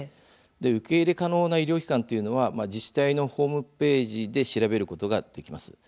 受け入れ可能な医療機関というのは自治体のホームページで調べることができます。